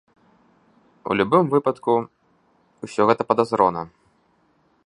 У любым выпадку, усё гэта падазрона.